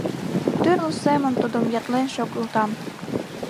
Тӱрлӧ семын тудым ятлен шогылтам.